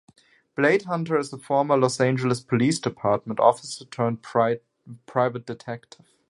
Blade Hunter is a former Los Angeles Police Department officer turned private detective.